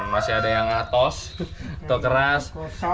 masih ada yang ngatos atau keras